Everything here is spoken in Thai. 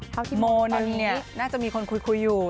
เท่าที่โมตอนนี้โมน่าจะมีคนคุยอยู่